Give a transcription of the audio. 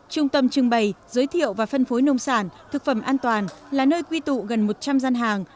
trung tâm trưng bày giới thiệu và phân phối nông sản thực phẩm an toàn là nơi quy tụ gần một trăm linh gian hàng